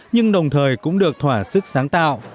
nhưng đồng thời cũng được thỏa sức sáng tạo